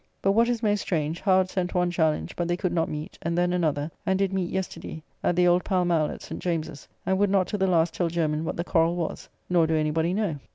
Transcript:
But what is most strange, Howard sent one challenge, but they could not meet, and then another, and did meet yesterday at the old Pall Mall at St. James's, and would not to the last tell Jermyn what the quarrel was; nor do any body know.